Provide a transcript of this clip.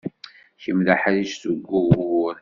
Kemm d aḥric seg wugur.